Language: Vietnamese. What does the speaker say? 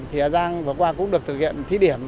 thì hà giang vừa qua cũng được thực hiện thí điểm